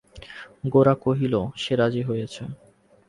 গোরা কহিল, সে রাজি হয়েছে?